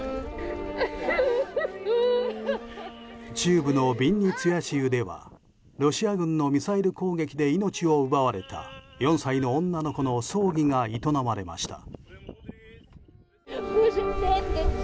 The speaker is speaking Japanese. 中部のビンニツィア州ではロシア軍のミサイル攻撃で命を奪われた４歳の女の子の葬儀が営まれました。